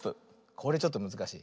これちょっとむずかしい。